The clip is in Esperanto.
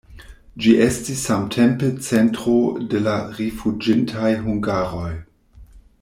Ĝi estis samtempe centro de la rifuĝintaj hungaroj.